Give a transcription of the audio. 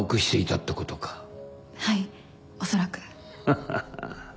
ハハハ。